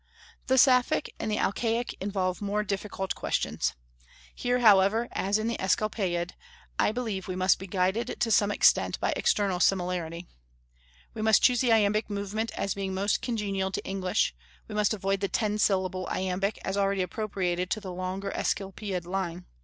The Sapphic and the Alcaic involve more difficult questions. Here, however, as in the Asclepiad, I believe we must be guided, to some extent, by external similarity. We must choose the iambic movement as being most congenial to English; we must avoid the ten syllable iambic as already appropriated to the longer Asclepiad line.